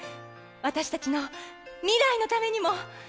私たちの未来のためにも。